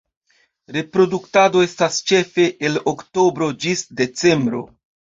Reproduktado estas ĉefe el Oktobro ĝis Decembro.